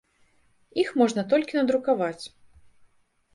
Іх можна толькі надрукаваць.